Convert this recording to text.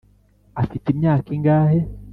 afite imyaka ingahe?